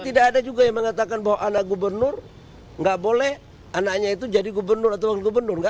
tidak ada juga yang mengatakan bahwa anak gubernur nggak boleh anaknya itu jadi gubernur atau wakil gubernur kan